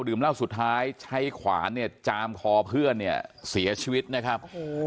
ดื่มเหล้าสุดท้ายใช้ขวานจามคอเพื่อนเสียชีวิตนะครับ